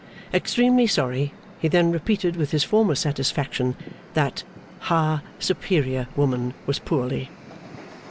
Extremely sorry, he then repeated with his former satisfaction, that that ha superior woman was poorly.